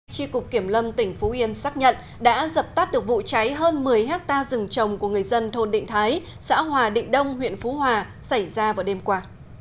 tri cục kiểm lâm tỉnh phú yên xác nhận đã dập tắt được vụ cháy hơn một mươi hectare rừng trồng của người dân thôn định thái xã hòa định đông huyện phú hòa xảy ra vào đêm qua